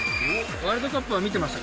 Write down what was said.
ワールドカップは見てました？